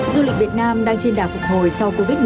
du lịch việt nam đang trên đà phục hồi sau covid một mươi chín